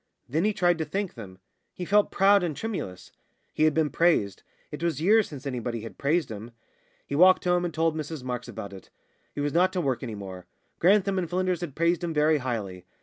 Then he tried to thank them. He felt proud and tremulous. He had been praised it was years since anybody had praised him. He walked home and told Mrs Marks about it. He was not to work any more. Grantham & Flynders had praised him very highly.